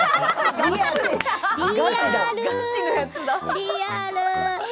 リアル。